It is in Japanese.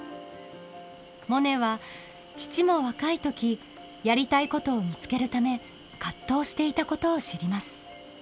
モネは父も若い時やりたいことを見つけるため葛藤していたことを知ります。